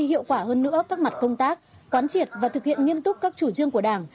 hiệu quả hơn nữa các mặt công tác quán triệt và thực hiện nghiêm túc các chủ trương của đảng